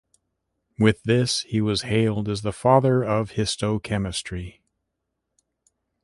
With this, he was hailed as the "father of histochemistry".